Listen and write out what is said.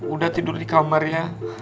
uda tidur di kamarnya